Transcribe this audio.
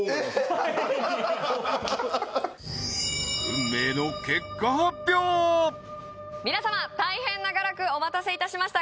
運命の皆様大変長らくお待たせいたしました